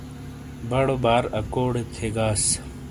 بڑو بار اکوڑے تھیگاس۔